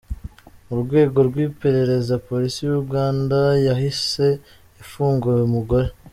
Mu rwego rw’iperereza, Polisi ya Uganda yahise ifunga uyu mugore.